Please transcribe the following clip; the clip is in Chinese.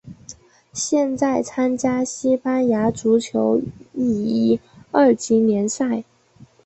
现在参加西班牙足球乙二级联赛。